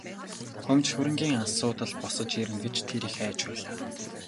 Өмч хөрөнгийн асуудал босож ирнэ гэж тэр их айж байлаа.